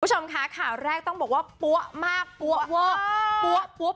ผู้ชมคะค่ะแรกต้องบอกว่าปั้วมากครึ่งที่ปั้วอ้าาาา